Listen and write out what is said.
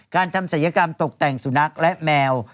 การทำศัลยกรรมตกแต่งสุนัขและแมว